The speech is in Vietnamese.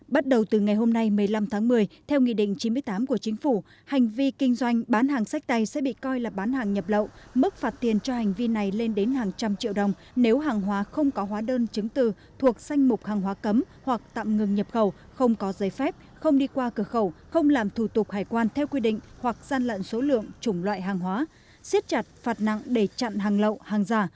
bắt đầu từ ngày hôm nay một mươi năm tháng một mươi theo nghị định chín mươi tám của chính phủ hành vi kinh doanh bán hàng sách tay sẽ bị coi là bán hàng nhập lậu mức phạt tiền cho hành vi này lên đến hàng trăm triệu đồng nếu hàng hóa không có hóa đơn chứng từ thuộc sanh mục hàng hóa cấm hoặc tạm ngừng nhập khẩu không có giấy phép không đi qua cửa khẩu không làm thủ tục hải quan theo quy định hoặc gian lận số lượng chủng loại hàng hóa xiết chặt phạt nặng để chặn hàng lậu hàng giả